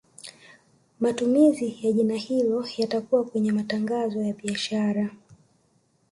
Matumizi ya jina hilo yatakuwa kwenye matangazo ya biashara